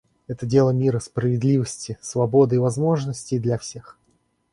Это дело мира, справедливости, свободы и возможностей для всех.